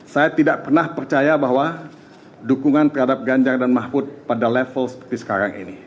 saya tidak pernah percaya bahwa dukungan terhadap ganjar dan mahfud pada level seperti sekarang ini